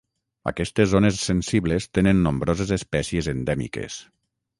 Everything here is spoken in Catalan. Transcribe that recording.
Aquestes zones sensibles tenen nombroses espècies endèmiques.